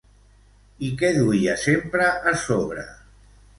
I què duia sempre a sobre?